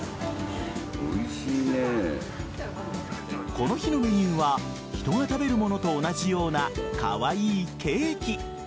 この日のメニューは人が食べるものと同じようなカワイイケーキ。